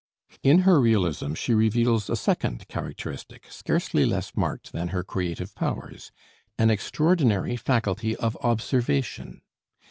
In her realism she reveals a second characteristic scarcely less marked than her creative powers, an extraordinary faculty of observation.